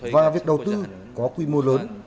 và việc đầu tư có quy mô lớn